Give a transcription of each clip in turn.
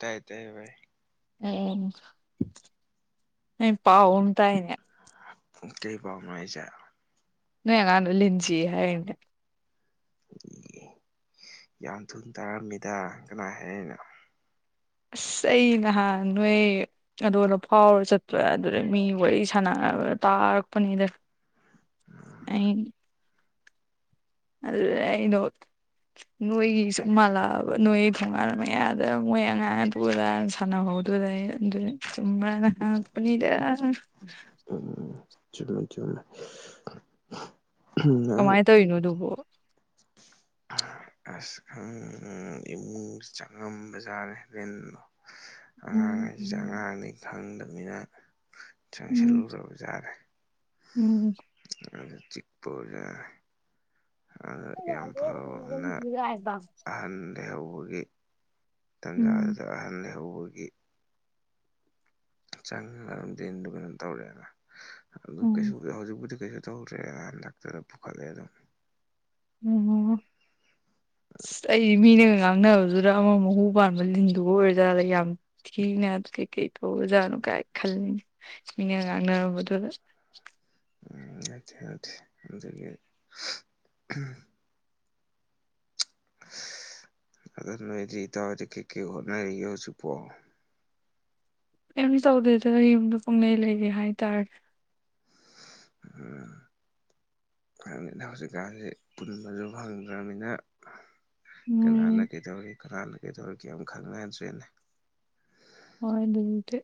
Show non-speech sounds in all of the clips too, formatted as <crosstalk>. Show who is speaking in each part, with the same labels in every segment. Speaker 1: ꯇꯥꯏ ꯇꯌꯦ ꯚꯥꯏ
Speaker 2: ꯑꯩ ꯄꯥꯎ ꯑꯃ ꯇꯥꯢꯅꯦ
Speaker 1: ꯀꯩ ꯄꯥꯎꯅꯣ ꯍꯥꯢꯖꯦ
Speaker 2: ꯑꯣꯢ ꯑꯉꯥꯡꯗꯣ ꯂꯤꯟ ꯆꯤꯛꯑꯦ ꯍꯥꯢꯔꯅꯦ
Speaker 1: ꯌꯥꯝ ꯊꯨ ꯇꯥꯔꯝꯃꯤꯗ ꯀꯅꯥ ꯍꯥꯏꯔꯛꯢꯅꯣ
Speaker 2: ꯑꯁ ꯑꯩ ꯅꯍꯥꯟ ꯅꯣꯏ ꯑꯗꯨꯗ ꯐꯥꯎꯔ ꯆꯠꯄ ꯑꯗꯨꯗ ꯃꯤ ꯋꯥꯔꯤ ꯁꯥꯟꯅꯕ ꯇꯥꯔꯛꯄꯅꯤꯗ ꯑꯩ ꯑꯗꯗ ꯑꯩꯗꯣ ꯅꯣꯏꯒꯤ ꯁꯨꯝ ꯃꯥꯜꯂꯛꯑꯕ ꯅꯣꯏꯒꯤ ꯊꯣꯡꯒ ꯃꯌꯥꯗ ꯃꯣꯏ ꯑꯉꯥꯡꯅ ꯑꯗꯨ ꯑꯗꯥꯅ ꯁꯥꯟꯅꯍꯧꯗꯨꯗ ꯑꯩꯅ ꯆꯨꯝꯕ꯭ꯔꯅ ꯍꯪꯉꯛꯄꯅꯤꯗ
Speaker 1: ꯎꯝ ꯆꯨꯝꯃꯦ ꯆꯨꯝꯃꯦ ꯅꯍꯥꯟ
Speaker 2: ꯀꯃꯥꯏ ꯇꯧꯋꯤꯅꯣ ꯑꯗꯨꯕꯣ
Speaker 1: ꯑꯁ ꯈꯪ ꯏꯃꯨꯡ ꯆꯪꯉꯝꯕꯖꯥꯅꯦ ꯂꯤꯟꯗꯣ ꯑꯉꯥꯡ
Speaker 2: ꯎꯝ
Speaker 1: ꯍꯥꯏꯁꯤꯗ
Speaker 2: ꯎꯝ
Speaker 1: ꯑꯉꯥꯡꯅꯤ ꯈꯪꯗꯝꯅꯤꯅ
Speaker 2: ꯎꯝ
Speaker 1: ꯆꯪꯁꯤꯜꯂꯨꯔꯕꯖꯥꯅꯦ
Speaker 2: ꯎꯝ
Speaker 1: ꯑꯗ ꯆꯤꯛꯄ ꯑꯣꯢꯕ ꯖꯥꯅꯦ ꯑꯗ ꯌꯥꯝ ꯐꯕ ꯑꯃꯅ ꯑꯍꯟ ꯂꯩꯍꯧꯕꯒꯤ ꯇꯟꯖꯥꯗꯨꯗ ꯑꯍꯜ ꯂꯩꯍꯧꯕꯒꯤ <unintelligible> ꯂꯤꯟꯗꯣ ꯀꯩꯅꯣꯝ ꯇꯧꯔꯦꯅ ꯑꯗꯨ
Speaker 2: ꯎꯝ
Speaker 1: ꯀꯩꯁꯨ ꯍꯧꯖꯤꯛꯄꯨꯗꯤ ꯀꯩꯁꯨ ꯇꯧꯗ꯭ꯔꯦ ꯗꯥꯛꯇꯗ ꯄꯨꯈꯠꯂꯦ ꯑꯗꯨꯝ
Speaker 2: ꯑꯣ ꯑꯁ ꯑꯩꯗꯤ ꯃꯤꯅꯒ ꯉꯥꯡꯅꯕꯗꯨꯗ ꯑꯃ ꯃꯍꯨ ꯄꯥꯟꯕ ꯂꯤꯟꯗꯨꯒ ꯑꯣꯏꯔꯖꯥꯠꯂꯥ ꯌꯥꯝ ꯊꯤꯅ ꯑ ꯀꯩꯀꯩ ꯇꯧꯕꯖꯥꯠꯅꯣ ꯀꯥꯏ ꯈꯜꯂꯤ ꯃꯤꯅꯒ ꯉꯥꯡꯅꯔꯝꯕꯗꯨꯗ
Speaker 1: ꯎꯝ ꯅꯠꯇꯦ ꯅꯠꯇꯦ ꯑꯗꯒꯤ ꯑꯗꯨ ꯅꯣꯏꯗꯤ ꯏꯇꯥꯎ ꯍꯣꯢꯗꯤ ꯀꯩꯀꯩ ꯍꯣꯠꯅꯔꯤꯒꯦ ꯍꯧꯖꯤꯛꯄꯣ
Speaker 2: ꯀꯩꯝ ꯇꯧꯗꯦꯗ ꯌꯨꯝꯗ ꯄꯨꯡꯂꯩ ꯂꯩꯔꯤ ꯍꯥꯏꯇꯥꯔꯦ
Speaker 1: ꯎꯝ ꯈꯪꯗꯦꯗ ꯍꯧꯖꯤꯛꯀꯥꯟꯁꯤ ꯄꯨꯟꯕꯖꯨ ꯐꯪꯗ꯭ꯔꯝꯅꯤꯅ ꯀꯅꯥꯅ
Speaker 2: ꯎꯝ
Speaker 1: ꯀꯩꯗꯧꯔꯤ ꯀꯅꯥꯅ ꯀꯩꯗꯧꯔꯤꯒꯦ ꯑꯝ ꯈꯪꯅꯗ꯭ꯔꯦꯅꯦ
Speaker 2: ꯍꯣꯢ ꯑꯗꯨꯕꯨꯗꯤ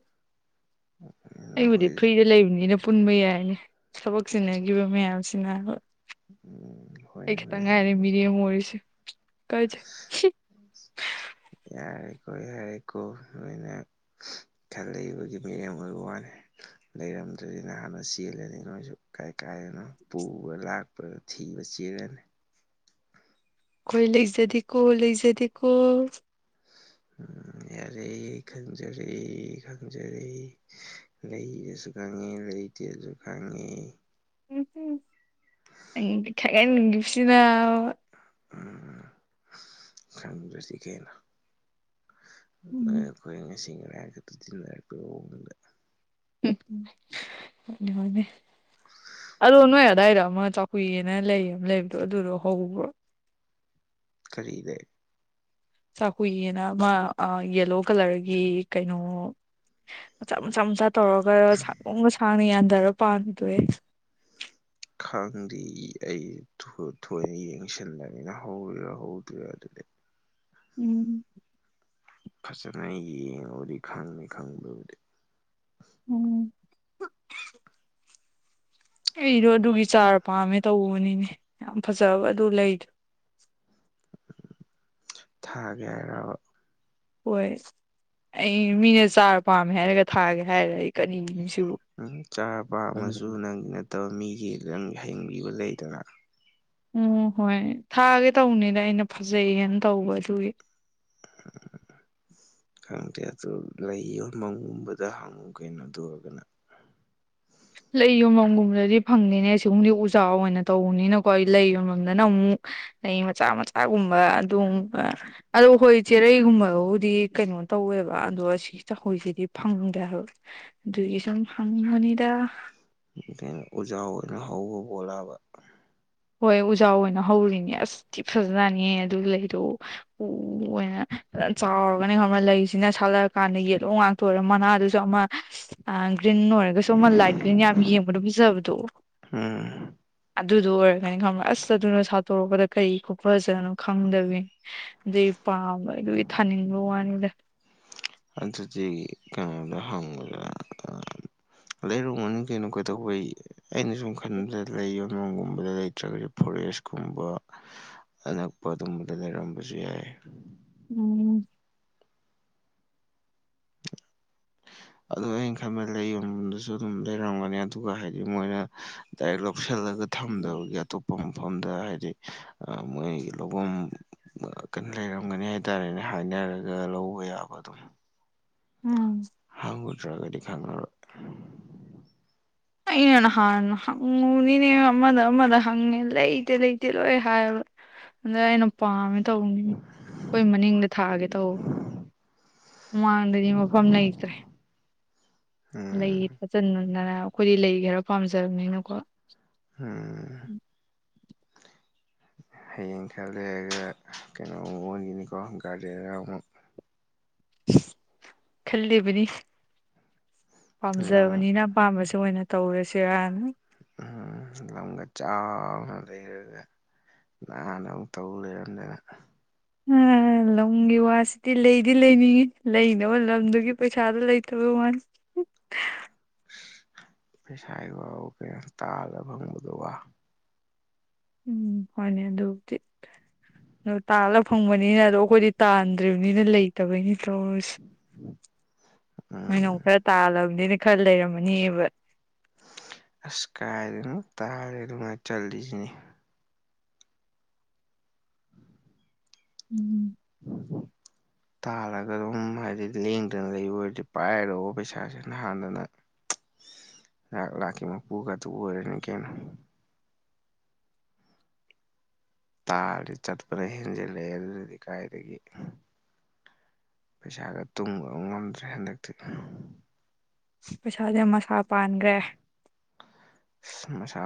Speaker 2: ꯑꯩꯕꯨꯗꯤ
Speaker 1: ꯑꯩꯈꯣꯏ
Speaker 2: ꯐ꯭ꯔꯤꯗ ꯂꯩꯕꯅꯤꯅ ꯄꯨꯟꯕ ꯌꯥꯏꯅꯦ ꯊꯕꯛ ꯆꯤꯟꯅꯒꯤꯕ ꯃꯌꯥꯝꯁꯤꯅꯕ
Speaker 1: ꯍꯣꯏꯅꯦ
Speaker 2: ꯑꯩꯈꯤꯇꯪ
Speaker 1: ꯍꯣꯏꯅꯦ
Speaker 2: ꯉꯥꯏꯔꯦ ꯃꯤꯔꯦꯝ ꯑꯣꯢꯔꯤꯁꯦ ꯀꯥꯢꯖꯩ
Speaker 1: ꯌꯥꯔꯦꯀꯣ ꯌꯥꯔꯦꯀꯣ ꯅꯣꯢꯅ ꯈꯜꯂꯩꯕꯒꯤ ꯃꯤꯌꯦꯡꯝ ꯑꯣꯢꯕ ꯋꯥꯅꯦ ꯂꯩꯔꯝꯗ꯭ꯔꯗꯤ ꯅꯍꯥꯟꯅ ꯆꯦꯜꯂꯅꯤ ꯅꯣꯏꯁꯨ ꯀꯥꯏ ꯀꯥꯏꯗꯅꯣ ꯄꯨꯕ꯭ꯔꯥ ꯂꯥꯛ ꯄ ꯊꯤꯕ ꯆꯦꯜꯂꯅꯤ
Speaker 2: ꯈꯣꯢ ꯂꯩꯖꯗꯦꯀꯣ ꯂꯩꯖꯗꯦꯀꯣ
Speaker 1: ꯎꯝ ꯌꯥꯔꯦ ꯈꯪꯖꯔꯦ ꯈꯪꯖꯔꯦ ꯂꯩꯔꯁꯨ ꯈꯪꯉꯤ ꯂꯩꯇꯦꯁꯨ ꯈꯪꯉꯤ
Speaker 2: ꯎꯝ ꯎꯝ ꯅꯪꯗꯤ ꯈꯪꯒꯟꯒꯤꯕꯁꯤꯅꯕ
Speaker 1: ꯎꯝ ꯈꯪꯗ꯭ꯔꯗꯤ ꯀꯩꯅꯣ ꯅꯣꯢ
Speaker 2: ꯎꯝ
Speaker 1: ꯑꯈꯣꯢ ꯉꯁꯤ ꯉꯔꯥꯡ ꯈꯛꯇ ꯇꯤꯟꯅꯔꯚꯄꯩ ꯃꯋꯣꯡꯗ
Speaker 2: ꯍꯣꯢꯅꯦ ꯍꯣꯢꯅꯦ ꯑꯗꯣ ꯅꯣꯢ ꯑꯗꯥꯏꯗ ꯑꯃ ꯆꯥꯎ ꯍꯨꯢꯑꯅ ꯂꯩ ꯑꯃ ꯂꯩꯕꯗꯣ ꯑꯗꯨꯗꯣ ꯍꯧꯕ꯭ꯔꯣ
Speaker 1: ꯀꯔꯤ ꯂꯩ
Speaker 2: ꯆꯥꯍꯨꯢꯅ ꯑꯃ ꯑ ꯌꯦꯂꯣ ꯀꯂꯔꯒꯤ ꯀꯩꯅꯣ ꯃꯆꯥ ꯃꯆꯥ ꯃꯆꯥ ꯇꯧꯔꯒ ꯁꯥꯡꯇ꯭ꯔꯣꯡꯒ ꯁꯥꯡꯅ ꯌꯥꯟꯊꯔ ꯄꯥꯟꯕꯗꯣꯍꯦ <inaudible>
Speaker 1: ꯈꯪꯗꯤ ꯑꯩ ꯊꯣꯏ ꯊꯣꯢꯅ ꯌꯦꯡꯁꯟꯗꯅꯤꯅ ꯍꯧꯔꯤꯔꯥ ꯍꯧꯗ꯭ꯔꯤꯔꯥ ꯗꯨꯗꯤ
Speaker 2: ꯎꯝ
Speaker 1: ꯐꯖꯅ ꯌꯦꯡꯉꯕꯨꯗꯤ ꯈꯪꯅꯤ ꯈꯪꯕꯕꯨꯗꯤ
Speaker 2: ꯎꯝ ꯑꯩꯗꯣ ꯑꯗꯨꯒꯤ ꯆꯥꯔ ꯄꯥꯝꯃꯦ ꯇꯧꯕꯅꯤꯅꯦ ꯌꯥꯝ ꯐꯖꯕ ꯑꯗꯨ ꯂꯩꯗꯣ
Speaker 1: ꯊꯒꯦ ꯍꯥꯏꯔꯕ
Speaker 2: ꯍꯣꯏ ꯑꯩ ꯃꯤꯅ ꯆꯥꯔ ꯄꯥꯝꯃꯦ ꯍꯥꯏꯔꯒ ꯊꯥꯒꯦ ꯍꯥꯏꯔ ꯌꯦ
Speaker 1: ꯆꯥꫪ ꯄꯥꯝꯃꯁꯨ ꯅꯪꯒꯤ ꯅꯠꯇꯕ ꯃꯤꯒꯤ ꯅꯪ ꯍꯪꯕꯤꯕ ꯂꯩꯗꯅ
Speaker 2: ꯎꯝ‌‌ꯍꯣꯏ ꯊꯥꯒꯦ ꯇꯧꯕꯅꯤꯗ ꯑꯩꯅ ꯐꯖꯩꯌꯦꯅ ꯇꯧꯕ ꯑꯗꯨꯒꯤ <inaudible>
Speaker 1: ꯈꯪꯗꯦ ꯑꯗꯨ ꯂꯩꯌꯣꯃꯒꯨꯝꯕꯗ ꯍꯪꯉꯨ ꯀꯩꯅꯣ ꯑꯗꯨꯔꯒꯅ
Speaker 2: ꯂꯩ ꯌꯣꯝꯕꯝꯒꯨꯝꯕꯗꯗꯤ ꯐꯪꯗꯦꯅꯦ ꯁꯤꯒꯨꯝꯕꯗꯤ ꯎꯖꯥꯎ ꯑꯣꯏꯅ ꯇꯧꯕꯅꯤꯅꯀꯣ ꯑꯩ ꯂꯩ ꯌꯣꯝꯐꯝꯝꯗꯅ ꯑꯃꯨꯛ ꯑꯩ ꯃꯆꯥ ꯃꯆꯥꯒꯨꯝꯕ ꯑꯗꯨꯝꯕ ꯑꯗꯣ ꯍꯣꯏ ꯆꯦꯔꯩꯒꯨꯝꯕꯕꯨꯗꯤ ꯀꯩꯅꯣ ꯇꯧꯋꯦꯕ ꯑꯗꯣ ꯁꯤ ꯆꯈꯣꯏꯁꯤꯗꯤ ꯐꯪꯗꯦ ꯑꯗꯨꯒꯤ ꯁꯨꯝ ꯍꯪꯕꯅꯤꯗ
Speaker 1: ꯩꯀꯩꯅꫭ ꯎꯖꯥꯎ ꯑꯣꯏꯅ ꯍꯧꯕ ꯄꯣꯠꯂꯕ
Speaker 2: ꯍꯣꯏ ꯎꯖꯥ ꯑꯣꯏꯅ ꯍꯧꯔꯤꯅꯦ ꯑꯁ ꯊꯤ‌ ꯐꯖꯥꯖꯠꯅꯤ ꯑꯗꯨ ꯂꯩꯗꯣ ꯎ ꯑꯣꯏꯅ ꯆꯥꯎꯔꯒꯅꯦ ꯂꯩꯁꯤꯅ ꯁꯥꯠꯂꯛ ꯀꯥꯟꯗ ꯌꯦꯂꯣ ꯉꯥꯛꯇ ꯇꫭꯏꯔ ꯃꯅꯥꯗꯨꯖꯨ ꯑꯃ ꯒ꯭ꯔꯤꯟ ꯑꯣꯏꯔ ꯁꯣꯃꯟ ꯂꯥꯏꯠ ꯒ꯭ꯔꯤꯟ ꯌꯥꯝ ꯌꯦꯡꯕꯗ ꯐꯤꯖꯕꯗꯣ
Speaker 1: ꯎꯝ
Speaker 2: ꯑꯗꯨꯗꯣ ꯑꯣꯏꯔ ꯑꯗꯨꯃꯥꯏꯅ ꯈꯪꯕ ꯑꯁꯇ ꯑꯗꯨꯅ ꯁꯥꯠꯇꯣꯔꯛꯄꯗ ꯀꯩ ꯈꯨꯐꯖꯅꫭ ꯈꯪꯗꯕꯤꯅꯤ ꯑꯗꯨꯏ ꯄꯥꯝꯕ ꯑꯩ ꯑꯗꯨꯒꯤ ꯊꯥꯅꯤꯡꯕ ꯋꯥꯅꯤꯗ
Speaker 1: ꯑꯗꯨꯗꯤ ꯀꯩꯅꯣꯗꯥ ꯍꯪꯉꯨꯗꯅ ꯂꯩꯔꯝꯒꯅꯤ ꯀꯩꯅꯣ ꯀꯩꯗꯧꯕꯩ ꯑꯩꯅ ꯁꯨꯝ ꯈꯟꯕꯗ ꯂꯩꯌꯣ ꯒꯨꯝꯕꯗ ꯂꯩꯇ꯭ꯔꯒꯗꯤ ꯐꯣꯔꯦꯁꯀꯨꯝꯕ ꯑꯅꯛꯄ ꯑꯗꯨꯝꯕꯗ ꯂꯩꯔꯝꯕꯖꯨ ꯌꯥꯏ
Speaker 2: ꯎꯝ <inaudible>
Speaker 1: ꯑꯗꯨ ꯑꯩꯅ ꯈꯟꯕ ꯂꯩ ꯌꫭꯟꯕꯝꯗꯁꯨ ꯑꯗꯨꯝ ꯂꯩꯔꯝꯒꯅꯤ ꯑꯗꯨꯒ ꯍꯥꯏꯗꯤ ꯃꯣꯏꯅ ꯗꯥꯏꯔꯦꯛ ꯂꯧꯁꯤꯜꯂꯒ ꯊꯝꯗꯕꯒꯤ ꯑꯇꯣꯞꯄ ꯃꯐꯝꯗ ꯍꯥꯏꯗꯤ ꯃꯣꯏꯒꯤ ꯂꯧꯐꯝ ꯀꯩꯅꯣ ꯂꯩꯔꯝꯒꯅꯤ ꯍꯥꯏꯇꯥꯔꯦꯅꯦ ꯍꯥꯏꯅꯔꯒ ꯂꯧꯕ ꯌꯥꯕ ꯑꯗꯨꯝ
Speaker 2: ꯎꯝ
Speaker 1: ꯎꯗꯔꯒꯗꯤ ꯈꯪꯉꯔꯣꯏ
Speaker 2: ꯑꯩꯅ ꯅꯍꯥꯟ ꯍꯪꯉꯨꯕꯅꯤꯅꯦ ꯑꯃꯗ ꯑꯃꯗ ꯍꯪꯉꯦ ꯂꯩꯇꯦ ꯂꯩꯇꯦ ꯂꯣꯏ ꯍꯥꯏꯌꯦꯕ ꯑꯩꯅ ꯄꯥꯝꯃꯦ ꯇꯧꯕꯅꯤ ꯑꯩꯈꯣꯏ ꯃꯅꯤꯡꯗ ꯊꯥꯒꯦ ꯇꯧꯕ ꯃꯥꯡꯗꯗꯤ ꯃꯐꯝ ꯂꯩꯇ꯭ꯔꯦ ꯂꯩ
Speaker 1: ꯎꯝ
Speaker 2: ꯐꯖꯅꯅ ꯑꯩꯈꯣꯏꯗꯤ ꯂꯩ ꯈꯔ ꯄꯥꯝꯖꯕꯅꯤꯅꯀꯣ
Speaker 1: ꯎꯝ ꯍꯌꯦꯡ ꯈꯔ ꯂꯩꯔꯒ ꯀꯩꯅꯣ ꯑꯃꯨꯛ ꯑꫭꯟꯒꯤꯅꯤꯀꫭ ꯒꯥꯔꯗꯦꯟꯅꯤꯔ ꯑꯃꯨꯛ
Speaker 2: ꯈꯜꯂꯤꯕꯅꯤ
Speaker 1: ꯂꯝ
Speaker 2: ꯄꯥꯝꯖꯕꯅꯤꯅ ꯑꯄꯥꯝꯕꯁꯦ ꯑꯣꯏꯅ ꯇꯧꯔꯁꯤꯔꯅ
Speaker 1: ꯎꯝ ꯂꯝꯒ ꯆꯥꯎꯅ ꯂꯩꯔꯒ ꯅꯍꯥꯟ ꯑꯃꯨꯛ ꯇꯧꯔꯂꯩꯔꯝꯗꯅ
Speaker 2: ꯎꯝ ꯂꯝꯒꯤ ꯋꯥꯁꯤꯗꯤ ꯂꯩꯗꯤ ꯂꯩꯅꯤꯡꯉꯤ ꯂꯩꯅꯕ ꯂꯝꯗꯨꯒꯤ ꯄꯩꯁꯥꯗꯣ ꯂꯩꯇꯕ ꯋꯥꯅꯤ ꯎ <unintelligible>
Speaker 1: ꯄꯩꯁꯥꯒꯤ ꯋꯥꯕꯨ ꯀꯩꯅꫭ ꯇꯥꯜꯂ ꯐꯪꯕꯗꯨꯕꯨ
Speaker 2: ꯎꯝ ꯍꯣꯏꯅꯦ ꯑꯗꯨꯕꯨꯗꯤ ꯑ ꯇꯥꯜꯂ ꯐꯪꯕꯅꯤꯅ ꯑꯗꯣ ꯑꯩꯈꯣꯏꯗꯤ ꯇꯥꯟꯗ꯭ꯔꯤꯝꯅꯤꯅ ꯂꯩ ꯇꯕꯩꯅꯤ ꯇꯧꯔꯤꯁꯤ ꯅꫭꯏꯅ
Speaker 1: ꯎꯝ
Speaker 2: ꯈꯔ ꯇꯥꯜꯂꯕꯅꯤ ꯈꯔꯥ ꯂꯩꯔꯝꯃꯅꯦꯕ
Speaker 1: ꯑꯁ ꯀꯥꯥꯏꯗꯩꯅꫭ ꯇꯥꯜꯂꯦꯗꯨꯉꯥꯏ ꯆꯠꯂꯤꯖꯤꯅꯤ
Speaker 2: ꯎꯝ
Speaker 1: ꯇꯥꯜꯂꯒ ꯑꯗꯨꯝ ꯍꯥꯏꯗꯤ ꯂꯦꯡꯗꯅ ꯂꯩꯕ ꯑꯣꯏꯔꯗꯤ ꯄꯥꯏꯔꯛꯑꯣ ꯄꯩꯁꯥꯁꯤꯦ ꯅꯍꯥꯟꯗꯅ
Speaker 2: ꯍꯨꯝꯝ
Speaker 1: ꯂꯥ ꯃ ꯄꯨꯒ ꯇ ꯑꯣꯏꯔꯦꯅꯤ ꯀꯦꯅ ꯇꯥꯕꯗꯤ ꯆꯠꯄ꯭ꯔꯥ ꯍꯦꯟꯖꯤꯜꯂꯦ ꯑꯗꯨꯗꯗꯤ ꯀꯥꯏꯗꯒꯤ ꯄꯩꯁꯥꯒ ꯇꯨꯡꯕ ꯉꯝꯗ꯭ꯔꯦ ꯍꯟꯗꯛꯇꯤ
Speaker 2: ꯄꯩꯁꯥꯥꯁꯦ ꯃꯁꯥ ꯄꯥꯟꯈ꯭ꯔꯦ
Speaker 1: ꯃꯁꯥ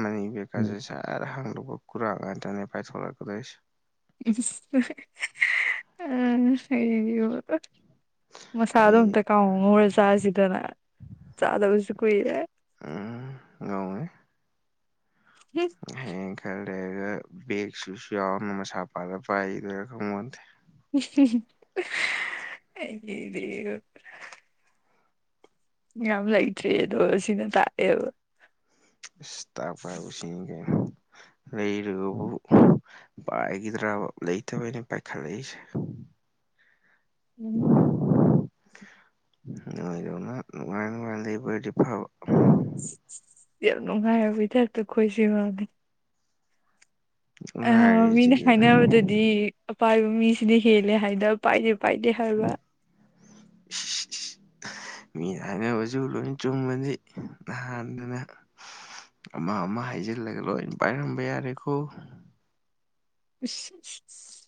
Speaker 1: ꯃꯅꯤꯕ ꯀꯁ ꯑꯗ ꯍꯪꯗꯕ ꯀꯨꯔꯥꯡ ꯉꯥꯛꯇꯅꯦ ꯄꯥꯏꯊꯣꯔꯂꯛꯀꯗꯣꯏꯁꯦ
Speaker 2: <unintelligible> ꯃ ꯆꯥꯗꯧ
Speaker 1: ꯑꯩ
Speaker 2: ꯇ ꯀꯥꯎ ꯃ ꯆꯥꯁꯤꯗꯅ ꯆꯥꯗꯧꯁꯨ ꯀꯨꯏꯔꯦ
Speaker 1: ꯎꯝ ꯉꯧꯋꯦ
Speaker 2: ꯍꯤꯁ
Speaker 1: ꯍꯌꯦ ꯈꯔ ꯂꯩꯔꯒ ꯕꯦꯒꯁꯨꯁꯨ ꯌꯥꯎꯅ ꯃꯁꯥ ꯄꯥꯂ ꯄꯥꯏꯗꯣꯏꯔ ꯈꯪ ꯃꯣꯟꯗꯦ
Speaker 2: ꯑꯩ꯭ꯔ ꯌꯥꯝ ꯂꯩꯇ꯭ꯔꯦ ꯑꯗꯣ ꯁꯤꯅ ꯇꯥꯛꯑꯦꯕ
Speaker 1: ꯇꯁꯤꯅꯤ ꯀ ꯂꯩꯔꯕꯨ ꯄꯥꯏꯒꯤꯗ꯭ꯔꯥ ꯂꯩ ꯇꯕꯅꯤ ꯄꯥꯏ ꯈꯥ ꯂꯩꯁ
Speaker 2: ꯎꯝ
Speaker 1: ꯅꯣꯏꯗꯧꯅ ꯅꯨꯡꯉꯥꯏ ꯅꯨꯡꯉꯥꯏ ꯂꯩꯕꯥ ꯑꯣꯏꯗ ꯐꯕ
Speaker 2: ꯌꯥꯝ ꯅꯨꯡꯉꯥꯏꯕ ꯍꯊꯥꯛꯇ ꯈꯣꯏꯁꯤꯔꯅꯤ
Speaker 1: ꯉꯥꯏꯔꯤꯁꯤꯗꯤ
Speaker 2: ꯃꯤꯅ
Speaker 1: ꯀꯩꯅꯣ
Speaker 2: ꯍꯥꯏꯅꯕꯗꯗꯤ ꯄꯥꯏꯕ ꯃꯤꯁꯤꯗꯤ ꯍꯦꯜꯂꯦ ꯍꯥꯏꯗ ꯄꯥꯏꯗꯦ ꯄꯥꯏꯗꯦ ꯍꯥꯏꯕ
Speaker 1: ꯏꯁ ꯃꯤꯅ ꯍꯥꯏꯅꯕꯁꯨ ꯂꯣꯏ ꯆꯨꯝꯕꯅꯤ ꯅꯍꯥꯟꯗꯅ ꯑꯃ ꯑꯃ ꯍꯥꯏꯖꯤꯜꯂꯒ ꯂꯣꯏꯩꯅ ꯄꯥꯏꯔꯝꯕ ꯌꯥꯔꯦꯀꯣ
Speaker 2: <unintelligible>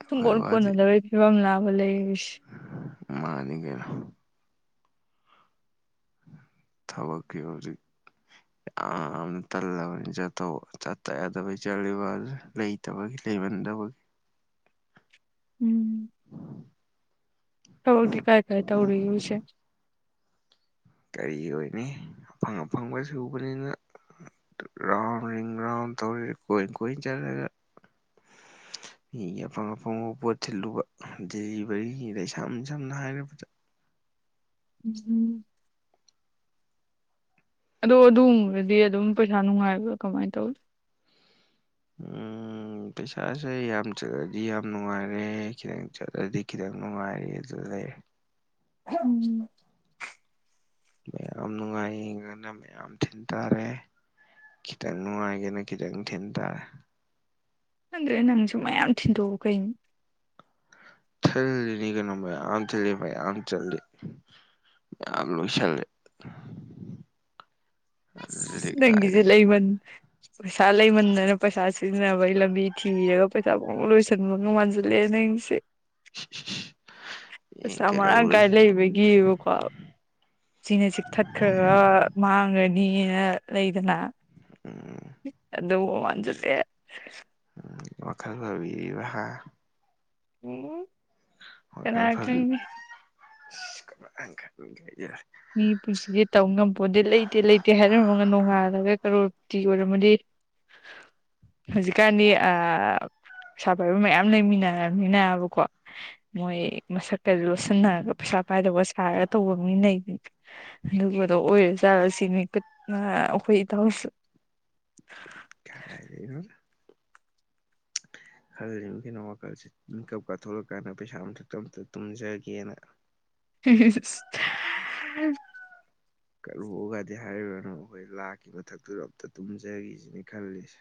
Speaker 1: ꯑꯩꯈꯣꯏ
Speaker 2: ꯁꯨꯡꯀꯣꯟ ꯀꯣꯟꯅꯗꯕꯒꯤ ꯐꯤꯕꯝ ꯂꯥꯕ ꯂꯩꯁ
Speaker 1: ꯃꯥꯅꯤꯒꯦꯅ ꯊꯕꯀꯤ ꯍꯧꯖꯤꯗꯤ
Speaker 2: <inaudible>
Speaker 1: ꯅ ꯇꯜꯂꯕꯅꯤ ꯆꯥꯊꯣꯛ ꯆꯠꯇ ꯌꯥꯗꯕ ꯏ ꯆꯂꯤ ꯂꯩꯇꯕꯒꯤ ꯂꯩꯃꯟꯗꯕꯒꯤ
Speaker 2: ꯎꯝ ꯍꯗꯤ ꯀꯥꯏ ꯀꯥꯏ ꯇꯧꯔ ꯏꯁꯦ
Speaker 1: ꯀꯔꯤ ꯑꯣꯏꯅꯤ ꯑꯐꯪ ꯑꯐꯪꯕ ꯁꯨꯕꯅꯤꯅ ꯔꯥꯎꯔꯤ ꯔꯥꯎ ꯇꯧꯔꯣꯏꯣꯏ ꯆꯂꯦꯒ
Speaker 2: <inaudible>
Speaker 1: ꯃꯤꯒꯤ ꯑꯐꯪ ꯑꯐꯪ ꯄꯣꯠ ꯊꯤꯜꯂꯨꯕ ꯗꯦꯂꯤꯚꯔꯤꯗ ꯏꯁꯝꯅ ꯁꯝꯅ ꯍꯥꯏꯔꯕꯗ
Speaker 2: ꯎꯝ ꯑꯗꯣ ꯑꯗꯨꯒꯨꯝꯕꯗꯗꯤ ꯑꯗꯨꯝ ꯄꯩꯁꯥ ꯅꯨꯡꯉꯥꯏꯕ꯭ꯔꯥ ꯀꯃꯥꯏꯅ ꯇꯧꯔꯤ <inaudible>
Speaker 1: ꯎꯝ ꯄꯩꯁꯥꯁꯦ ꯌꯥꯝ ꯆꯠꯂꯗꯤ ꯌꯥꯝ ꯅꯨꯡꯉꯥꯏꯔꯦ ꯈꯤꯇꯪ ꯆꯠꯂꯗꯤ ꯈꯤꯇꯪ ꯅꯨꯡꯉꯥꯏꯔꯦ ꯑꯗꯨ ꯂꯩꯔꯦ
Speaker 2: ꯎꯝ
Speaker 1: ꯃꯌꯥꯝ ꯅꯨꯡꯉꯥꯏ ꯌꯦꯡꯉꯅ ꯃꯌꯥꯝ ꯊꯤꯟ ꯇꯥꯔꯦ ꯈꯤꯇꯪ ꯅꯨꯡꯉꯥꯏꯒꯦꯅ ꯈꯤꯇꯪ ꯊꯤꯟ ꯇꯥꯔꯦ
Speaker 2: ꯑꯗꯨꯟꯗꯦ ꯅꯪꯁꯨ ꯃꯌꯥꯝ ꯊꯤꯟꯗꯣꯛꯎ ꯀꯩꯅꯅꯤ
Speaker 1: ꯊꯜꯅꯤ ꯀꯅꯣ ꯌꯥꯟ ꯆꯂ ꯌꯥꯥꯟ ꯆꯜꯜꯂꯤ ꯌꯥꯝ ꯂꯣꯏꯁꯤꯜꯂꯦ
Speaker 2: ꯑꯁ ꯅꯪꯒꯤꯖꯦ ꯂꯩꯃꯟ ꯄꯩꯁꯥ ꯂꯩꯃꯟꯗꯅ ꯄꯩꯁꯥ ꯁꯤꯖꯤꯟꯅꯕꯩ ꯂꯝꯕꯤ ꯊꯤꯔꯒ ꯄꯩꯁꯥ ꯐꯥꯎ ꯂꯣꯏꯁꯟꯕ ꯉꯥꯟ ꯂꯦꯖꯅꯤꯡ ꯁꯤ
Speaker 1: ꯌꯦꯡ
Speaker 2: ꯄꯩꯁꯥ ꯃꯔꯥꯡ ꯀꯥꯏ
Speaker 1: ꯀꯩꯗꯧꯔꯣꯏꯁꯤꯅ
Speaker 2: ꯂꯩꯕꯒꯤꯕꯀꯣ ꯁꯤꯅ ꯆꯤꯛꯊꯠꯈ꯭ꯔꯒ ꯃꯥꯡꯒꯅꯤꯅ ꯂꯩꯗꯅ
Speaker 1: ꯎꯝ
Speaker 2: ꯑꯗꯨ ꯃꯥꯟꯖꯤꯂꯛꯑꯦ
Speaker 1: ꯎꯝ ꯋꯥꯈꯜ ꯐꯕꯤꯔꯤꯕ ꯍꯥ
Speaker 2: ꯎꯝ
Speaker 1: ꯍꯣꯢ
Speaker 2: ꯀꯅꯥ
Speaker 1: ꯐꯕꯤ
Speaker 2: ꯈꯪꯅꯤ
Speaker 1: <unintelligible>
Speaker 2: ꯃꯤ ꯄꯨꯟꯁꯤꯗꯤ ꯇꯝ ꯉꯝꯄꯣꯗꯦ ꯂꯩꯇꯦ ꯂꯩꯇꯦ ꯍꯥꯏꯔꯝꯃꯒ ꯅꯣꯡꯉꯥꯜꯂꯒ ꯀꯔꯣꯔꯄꯇꯤ ꯑꯣꯏꯔꯝꯃꯗꯤ ꯍꯧꯖꯤꯀꯥꯟꯗꯤ ꯑꯥ ꯄꯩꯁꯥ ꯄꯥꯏꯕ ꯃꯌꯥꯝ ꯂꯩꯃꯤꯟꯅꯔꯃꯤꯟꯅꯕꯀꯣ ꯃꯣꯏ ꯃꯁꯛꯀꯁꯨ ꯂꯣꯠꯁꯤꯟꯅ ꯔꯨꯞ ꯄꯩꯁꯥ ꯄꯥꯏꯗꯕ ꯁꯥꯔꯒ ꯇꯧꯕ ꯃꯤꯂꯩꯕꯅꯤ ꯑꯗꯨꯒꯗꯣ ꯑꯣꯏꯔ ꯆꯥꯔꯁꯤꯅꯤ ꯑꯩꯈꯣꯏ ꯏꯇꯥꯎꯁꯨ
Speaker 1: ꯀꯔꯥꯢꯗꯩꯅꯣꯗ ꯈꯜꯂꯤ ꯕ ꯀꯩꯅꯣ ꯋꯥꯈꯜꯁꯤ ꯃꯤꯀꯞ ꯀꯥ ꯊꯣꯔꯀꯥꯟꯗ ꯄꯩꯁꯥ ꯃꯊꯛꯇ ꯑꯝꯇ ꯇꯨꯝꯖꯒꯦꯅ
Speaker 2: <unintelligible>
Speaker 1: ꯀꯔꯣꯛꯑꯒꯗꯤ ꯍꯥꯏꯔꯨꯔꯅꯨ ꯑꯩꯈꯣꯏ ꯂꯥꯛꯀꯤ ꯃꯊꯛꯇꯨꯗ ꯑꯝꯇ ꯇꯨꯝꯖꯈꯤꯁꯤꯅꯤ ꯈꯜꯂꯤꯁꯦ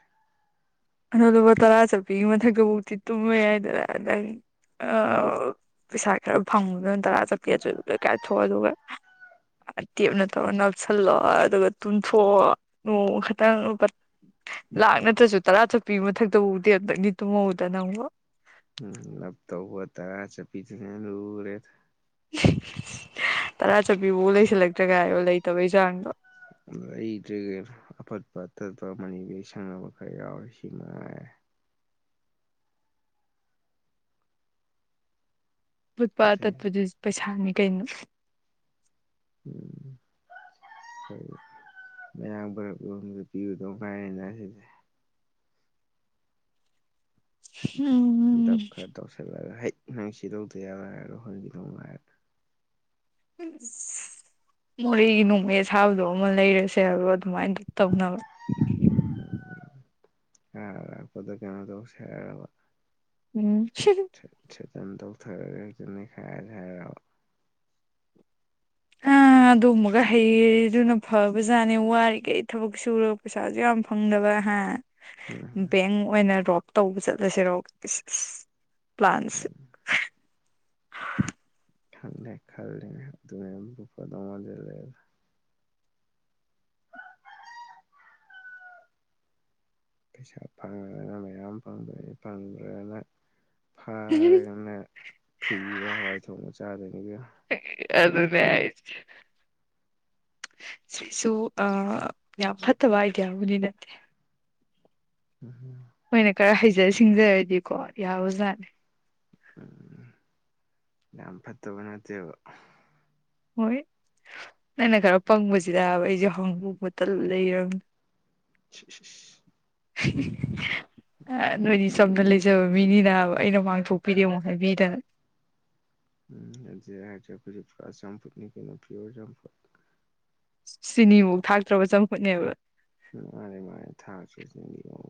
Speaker 2: ꯑꯗꯣ ꯂꯨꯄꯥ ꯇꯔꯥ ꯆꯠꯄꯤꯒꯤ ꯃꯊꯛ ꯇꯕꯨꯛꯇꯤ ꯇꯨꯝꯕ ꯌꯥꯏꯗꯅ ꯑꯗꯒꯤ ꯑ ꯄꯩꯁꯥ ꯈꯔ ꯐꯪꯕꯗꯨꯅ ꯇꯔꯥ ꯆꯠꯄꯦ ꯑꯆꫭꯏꯕ ꯂꫭꯏ ꯀꯥꯏꯊꯣꯛꯑꯣ ꯑꯗꯨꯒ ꯇꯦꯞꯅ ꯇꯧꯔꯒ ꯅꯞꯁꯜꯂꯣ ꯑꯗꯨꯒ ꯇꯨꯝꯊꯣꯛꯑꯣ ꯅꯣꯡꯃ ꯈꯛꯇꯪ ꯂꯥꯥꯛ ꯅꯠꯇ꯭ꯔꯖꯨ ꯇꯔꯥ ꯆꯞꯄꯤ ꯃꯊꯛꯇꯕꯧꯗꯤ ꯑꯝꯇꯪꯗꯤ ꯇꯨꯝꯍꯧꯗ ꯅꯪꯕꯨ
Speaker 1: ꯎꯝ ꯅꯞꯇꯧꯕ ꯇꯔꯥ ꯆꯞꯄꯤꯗꯨꯅ ꯍꯦꯟ ꯂꯨꯔꯦꯗ
Speaker 2: ꯇꯔꯥ ꯆꯠꯄꯤ ꯐꯥꯎ ꯂꯩꯁꯜꯂꯛꯇ꯭ꯔꯒ ꯍꯥꯏꯔꯣ ꯂꯩꯇꯕꯩ ꯆꯥꯡꯗꯣ
Speaker 1: ꯂꯩꯇ꯭ꯔꯦ ꯀꯩꯅꯣ ꯑꯐꯠꯄ ꯑꯇꯠꯄ ꯑꯃꯅꯤ ꯁꯪꯅꯕ ꯈꯔ ꯌꯥꯎꯔꯦ ꯁꯤꯃꯉꯥꯢꯔꯦ
Speaker 2: ꯐꯨꯠꯄ
Speaker 1: ꯑꯇꯩ
Speaker 2: ꯇꯠꯄꯗꯨ ꯄꯩꯁꯥꯅꯤ ꯀꯩꯅꯣ
Speaker 1: ꯎꯝ ꯃꯌꯥꯡ ꯕꯔꯞ ꯌꫭꯟꯕꯗ ꯄꯤꯔꯨꯗꯧ ꯉꯥꯏꯔꯦꯅ ꯁꯤꯗꯤ
Speaker 2: ꯍꯝ
Speaker 1: ꯇꯧꯁꯤꯜꯂꯒ ꯍꯩ ꯅꯪ ꯁꯤ ꯂꯧꯗ ꯌꯥꯔꫭꯏ ꯍꯥꯏꯔ ꯂꯧꯍꯟꯒꯤꯗꯧ ꯉꯥꯏꯔꯦ
Speaker 2: ꯎꯁ ꯃꯣꯏꯒꯤ ꯅꯣꯡꯃꯩ ꯑꯁꯥꯕꯗꯣ ꯑꯃ ꯂꯩꯔꯁꯦ ꯍꯥꯏꯕ꯭ꯔꯣ ꯑꯗꯨꯃꯥꯏꯅꯗ ꯇꯧꯅꯕ
Speaker 1: <unintelligible> ꯀꯩꯅꯣ ꯇꯧꯁꯦ ꯍꯥꯢꯔꯕ
Speaker 2: ꯎꯝ <unintelligible>
Speaker 1: ꯊ꯭ꯔꯦ ꯊ꯭ꯔꯦꯇꯟ ꯇꯧꯊꯔꯒ ꯍꯦꯛꯇ ꯅꯩꯈꯥꯏꯔꯁꯦ ꯍꯥꯏꯔꯣ
Speaker 2: ꯉꯥ ꯑꯗꯨꯒꯨꯝꯕꯒ ꯍꯩꯔꯗꯨꯅ ꯐꯕꯖꯥꯠꯅꯤ ꯋꯥꯔꯤꯈꯩ ꯊꯕꯛ ꯁꯨꯔꯒ ꯄꯩꯁꯥꯁꯨ ꯌꯥꯝ ꯐꯪ ꯐꯪꯗꯕ ꯍꯥ
Speaker 1: ꯍꯝ
Speaker 2: ꯕꯦꯡ ꯑꯣꯏꯅ ꯔꯣꯞ ꯇꯧꯕ ꯆꯠꯂꯁꯤꯔꯣ ꯏꯁ ꯏꯁ ꯄ꯭ꯂ꯭ꯥꯟꯁꯦ
Speaker 1: ꯈꯪꯗꯦ ꯈꯜꯂꯤꯅꯦ ꯑꯗꯨꯃꯥꯏꯅꯕꯨ ꯐꯗꯧ ꯃꯥꯟꯖꯜꯂꯛꯑꯦꯗ ꯄꯩꯁꯥ ꯐꯪꯉꯒꯅ ꯃꯌꯥꯝ ꯐꯪꯕꯅꯤ ꯐꯪꯗ꯭ꯔꯒꯅ ꯐꯔꯒꯅ ꯐ꯭ꯔꯤꯗ ꯍꯋꯥꯏ ꯊꯣꯡꯕ ꯆꯥꯗꯣꯢꯅꯤ ꯏꯕꯦꯃꯥ
Speaker 2: ꯍꯦ ꯑꯗꯨꯅꯦ ꯍꯥꯏꯖꯦ ꯁꯤꯁꯨ ꯑ ꯌꯥꯝ ꯐꯠꯇꯕ ꯑꯥꯏꯗꯤꯌꯥꯕꯨꯗꯤ ꯅꯠꯇꯦ
Speaker 1: ꯎꯝ
Speaker 2: ꯈꯣꯏꯅ ꯈꯔ ꯍꯩꯖ ꯁꯤꯡꯖꯔꯗꯤꯀꯣ ꯌꯥꯕꯖꯥꯠꯅꯤ
Speaker 1: ꯎꯝ ꯌꯥꯝ ꯐꯠꯇꯕ ꯅꯠꯇꯦꯕ
Speaker 2: ꯍꯣꯏ ꯅꯪꯅ ꯈꯔ ꯄꯪꯕꯁꯤꯗꯕ ꯑꯩꯁꯨ ꯍꯥꯡꯗꯣꯛꯕꯇ ꯂꯩꯔꯕꯅꯦ
Speaker 1: ꯏꯁ ꯏꯁ ꯏꯁ
Speaker 2: <unintelligible> ꯅꫭꯏꯅꯤ ꯆꯝꯅ ꯂꯩꯖꯕ ꯃꯤꯅꯦ ꯑꯩꯅ ꯃꯥꯡꯊꯣꯛꯄꯤꯔꯦ ꯑꯃꯨꯛ ꯍꯥꯏꯕꯤꯗꯅ
Speaker 1: ꯎꯝ ꯑꯗꯨꯏ ꯍꯥꯏꯔꯗꯤ ꯑꯩꯈꫭꯏꯗꯤ ꯄꯨꯔ ꯆꯝꯐꯨꯠꯅꯤ ꯀꯩꯅꯣ ꯄꯤꯌꯣꯔ ꯆꯝꯐꯨꯠ
Speaker 2: ꯆꯤꯅꯤꯕꯨꯛ ꯊꯥꯛꯇ꯭ꯔꯕ ꯆꯝꯐꯨꯠꯅꯦꯕ
Speaker 1: <unintelligible>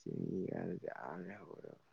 Speaker 1: ꯆꯦꯡꯢ ꯒꯗꯨꯗꯤ ꯑꯥ ꯂꯩꯍꯧꯔꯕꯅꯦ